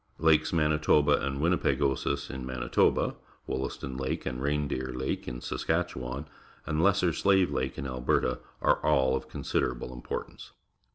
Lake s Manitoba and Winnipegosis. in Manitoba, Wollaston Lake and Reindee r Lake in Saskatchewan, and Lesser Slave La ke in A lberta are all of con srderable importance.